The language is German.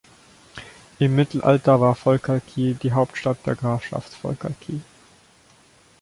Im Mittelalter war Forcalquier die Hauptstadt der Grafschaft Forcalquier.